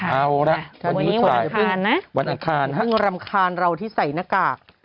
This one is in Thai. เอาล่ะวันนี้หวัดอังคารนะหวัดอังคารหวัดอังคารเราที่ใส่หน้ากาก